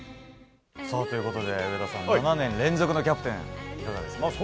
上田さん、７年連続のキャプテンいかがですか。